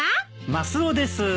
マスオです。